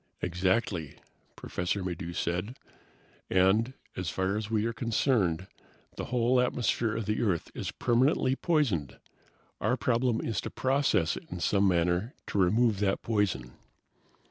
"Exactly," Professor Maddox said, "and, as far as we are concerned, the whole atmosphere of the Earth is permanently poisoned. Our problem is to process it in some manner to remove that poison.